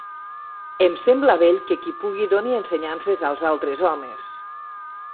Em sembla bell que qui pugui doni ensenyances als altres homes.